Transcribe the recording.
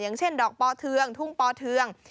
อย่างเช่นดอกปอเทืองทุ่งปอเทือง